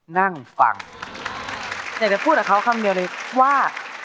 นั่งฟังเนี่ยแต่พูดอ่ะเขาคำเดียวเลยว่า